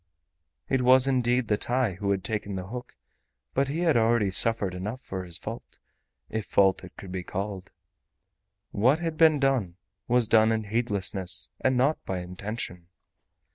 It was indeed the TAI who had taken the hook, but he had already suffered enough for his fault, if fault it could be called. What had been done was done in heedlessness and not by intention.